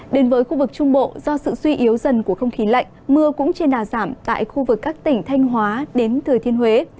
đến với khu vực trung bộ do sự suy yếu dần của không khí lạnh mưa cũng trên đà giảm tại khu vực các tỉnh thanh hóa đến thừa thiên huế